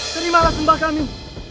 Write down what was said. terimalah sembah kami